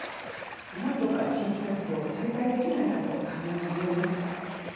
なんとか地域活動を再開できないかと考え始めました。